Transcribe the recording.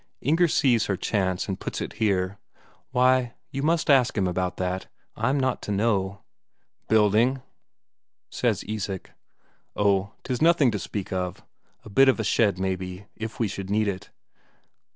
Inger sees her chance and puts in here: "Why, you must ask him about that. I'm not to know." "Building?" says Isak. "Oh, 'tis nothing to speak of. A bit of a shed, maybe, if we should need it.